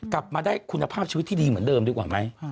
กลับมาได้คุณภาพชีวิตที่ดีเหมือนเดิมดีกว่าไหม